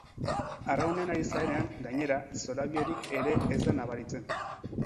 Arraunean ari zarenean, gainera, zorabiorik ere ez da nabaritzen.